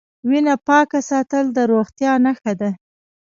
وینه پاکه ساتل د روغتیا نښه ده.